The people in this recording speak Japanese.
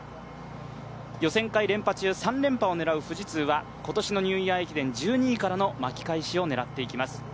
予選会連覇中、３連覇を狙う富士通は今年のニューイヤー駅伝１２位からの巻き返しを狙っていきます。